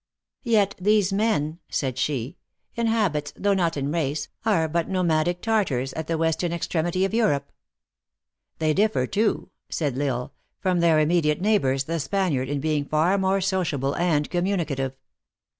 " Yet these men," said she, " in habits, though not in race, are but nomadic Tartars at the western ex tremity of Europe." " They differ too," said L Isle, " from their immed 126 THE ACTRESS IN HIGH LIFE. iate neighbors, the Spaniard, in being far more socia ble and communicative.